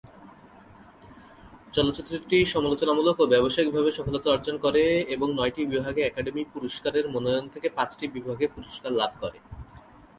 চলচ্চিত্রটি সমালোচনামূলক ও ব্যবসায়িকভাবে সফলতা অর্জন করে এবং নয়টি বিভাগে একাডেমি পুরস্কারের মনোনয়ন থেকে পাঁচটি বিভাগে পুরস্কার লাভ করে।